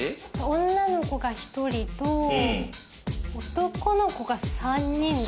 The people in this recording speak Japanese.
女の子が１人と男の子が３人。